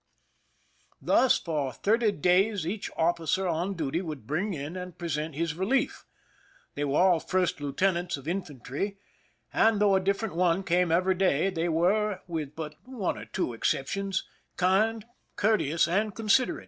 Thus for thirty days each officer on duty would bring in and present his relief. They were all first lieutenants of in fantry, and though a different one came every day, they were, with but one or two exceptions, kind, courteous, and considerate.